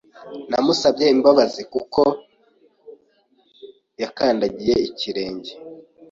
Namusabye imbabazi kuko yakandagiye ikirenge.